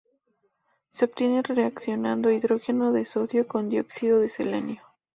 Se obtiene reaccionando hidróxido de sodio con dióxido de selenio.